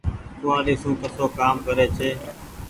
ڪوُوآڙي سون ڪسو ڪآم ڪري ڇي۔